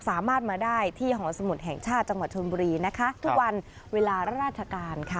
สามารถมาได้ที่หอสมุทรแห่งชาติจังหวัดชนบุรีนะคะทุกวันเวลาราชการค่ะ